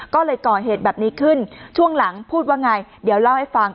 ก็เลยก่อเหตุแบบนี้ขึ้นช่วงหลังพูดว่าไงเดี๋ยวเล่าให้ฟัง